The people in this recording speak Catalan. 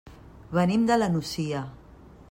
Venim de la Nucia.